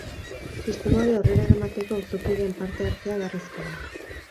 Sistema hori aurrera eramateko auzokideen parte-hartzea beharrezkoa da.